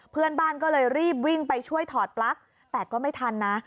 เพื่อนบ้านก็เลยรีบวิ่งไปช่วยถอดปลั๊กแต่ก็ไม่ทันนะ